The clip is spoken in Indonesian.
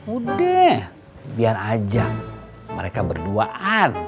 udah biar ajang mereka berduaan